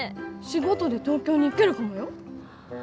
仕事で東京に行けるかもよ？